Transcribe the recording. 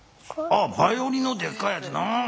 あっバイオリンのでっかいやつな。